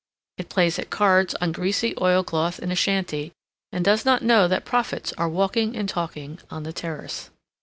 It plays at cards on greasy oil cloth in a shanty, and does not know that prophets are walking and talking on the terrace.